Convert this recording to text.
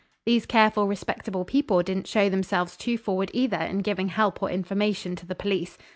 These careful respectable people didn't show themselves too forward either in giving help or information to the police.